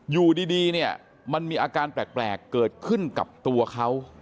อยู่ดีเนี่ยมันมีอาการแปลกเกิดขึ้นกับตัวเขา